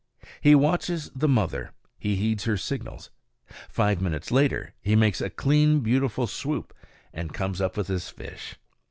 He watches the mother; he heeds her signals. Five minutes later he makes a clean, beautiful swoop and comes up with his fish.